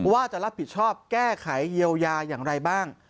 ว่าจะรับผิดชอบแก้ไขเยียวยาอย่างไรบ้าง